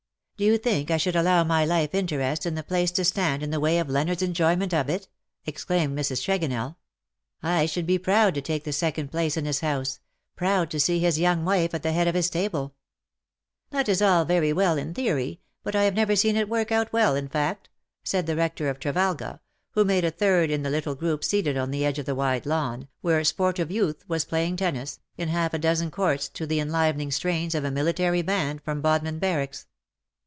" Do you think I should allow my life interest in the place to stand in the way of Leonard's enjoyment of it/' exclaimed Mrs. Tregonell. "I 108 ^^BUT HERE IS ONE WHO should be proud to take the second place in his house — proud to see his young wife at the head of his table/' " That is all very well in theory, but I have never seen it work out well in fact/' said the Hector of Trevalga, who made a third in the little group seated on the edge of the wide lawn, where sportive youth was playing tennis, in half a dozen courts, to the enlivening strains of a military band from Bodmin barracks.